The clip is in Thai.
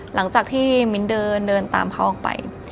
หลังจากที่มิ้นเดินตามเขาออกไป